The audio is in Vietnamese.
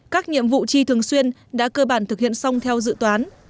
các nhiệm vụ chi thường xuyên đã cơ bản thực hiện xong theo dự toán